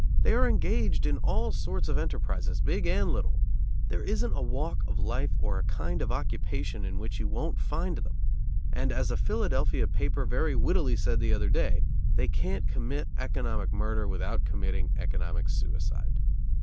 They are engaged in all sorts of enterprises, big and little. There isn't a walk of life or a kind of occupation in which you won't find them; and, as a Philadelphia paper very wittily said the other day, they can't commit economic murder without committing economic suicide.